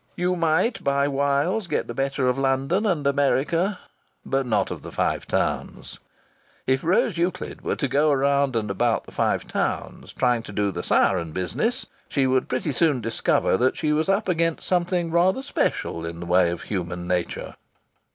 You might by wiles get the better of London and America, but not of the Five Towns. If Rose Euclid were to go around and about the Five Towns trying to do the siren business, she would pretty soon discover that she was up against something rather special in the way of human nature!